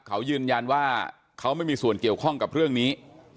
เขายืนยันว่าเขาไม่มีส่วนเกี่ยวข้องกับเรื่องนี้